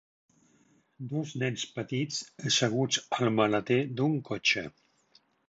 Dos nens petits asseguts al maleter d'un cotxe.